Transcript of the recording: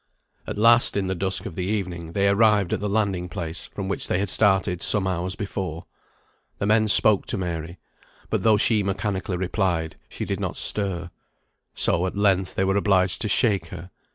At last, in the dusk of evening, they arrived at the landing place from which they had started some hours before. The men spoke to Mary, but though she mechanically replied, she did not stir; so, at length, they were obliged to shake her.